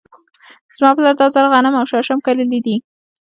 زما پلار دا ځل غنم او شړشم کرلي دي .